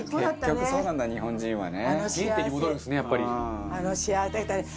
結局そうなんだ日本人はね。